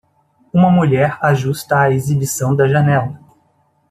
Uma mulher ajusta a exibição da janela.